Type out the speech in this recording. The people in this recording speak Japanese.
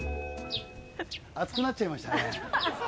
熱くなっちゃいましたね